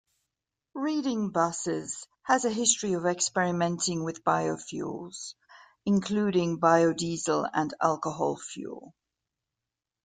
Reading Buses has a history of experimenting with biofuels, including biodiesel and alcohol fuel.